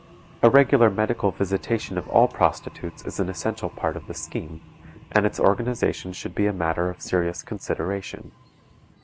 A regular medical visitation of all prostitutes is an essential part of the scheme, and its organization should be a matter of serious consideration.